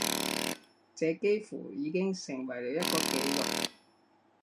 这几乎已经成为了一个记录。